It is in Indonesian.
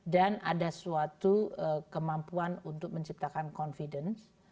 dan ada suatu kemampuan untuk menciptakan confidence